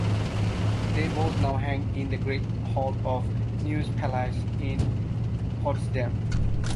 They both now hang in the Great Hall of the Neues Palais in Potsdam.